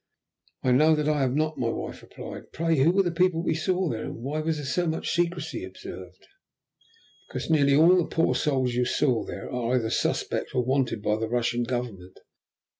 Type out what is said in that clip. "I know that I have not," my wife replied. "Pray who were the people we saw there? And why was so much secrecy observed?" "Because nearly all the poor souls you saw there are either suspected or wanted by the Russian Government.